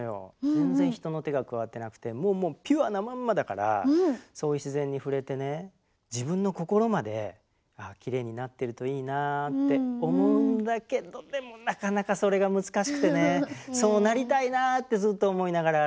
全然人の手が加わってなくてもうもうピュアなまんまだからそういう自然に触れてね自分の心まできれいになってるといいなぁって思うんだけどでもなかなかそれが難しくてねそうなりたいなってずっと思いながらアラスカで写真撮ってます。